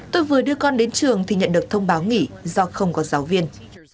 tôi vừa đưa con đến trường thì nhận được thông báo nghỉ do không có giáo viên